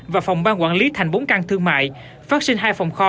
và phòng ban quản lý thành bốn căn thương mại phát sinh hai phòng kho